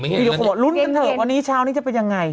เดี๋ยวคนบอกลุ้นกันเถอะวันนี้เช้านี้จะเป็นยังไง